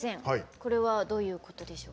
これはどういうことでしょう。